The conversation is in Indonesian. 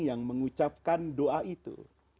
yang mengucapkan doa itu